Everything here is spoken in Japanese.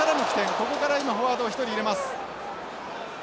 ここから今フォワードを１人入れます。